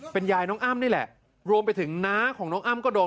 เป็นยายน้องอ้ำนี่แหละรวมไปถึงน้าของน้องอ้ำก็โดน